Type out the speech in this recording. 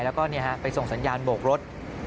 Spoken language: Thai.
แล้วก็ไปส่งสัญญาณโบกรถ